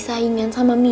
saya mau pergi ke rumah